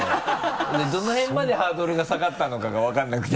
どの辺までハードルが下がったのかが分からなくて。